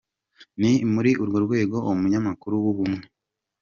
Ni muri urwo rwego umunyamakuru w’Ubumwe.